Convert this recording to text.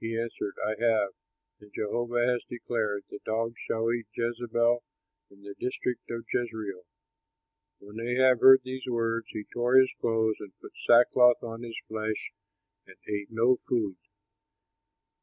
He answered, "I have. And Jehovah has declared: 'The dogs shall eat Jezebel in the district of Jezreel.'" When Ahab heard those words, he tore his clothes and put sackcloth on his flesh and ate no food.